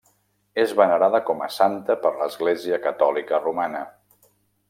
És venerada com a santa per l'Església Catòlica Romana.